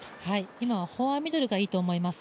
今はフォアミドルがいいと思います。